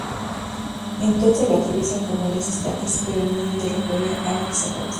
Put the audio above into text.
Entonces lo atraviesa con varias estacas pero en medio de la pelea Alan desaparece.